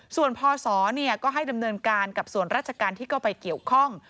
ส่วนพศก็ให้ดำเนินการกับส่วนราชการที่เข้าไปเกี่ยวข้อง